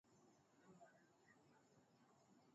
matokeo ya kupenya kwa kanuni za Ulaya